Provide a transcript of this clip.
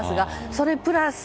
それプラス